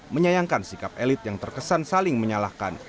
menyayangkan sikap elit yang terkesan saling menyalahkan